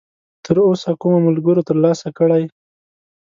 تراوسه کومو ملګرو ترلاسه کړی!؟